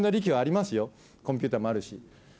コンピューターもあるし。